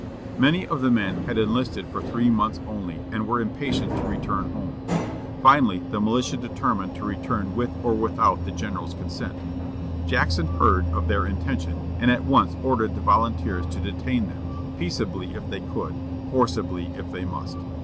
Many of the men had enlisted for three months only, and were impatient to return home. Finally, the militia determined to return with or without the general's consent. Jackson heard of their intention, and at once ordered the volunteers to detain them, peaceably if they could, forcibly if they must.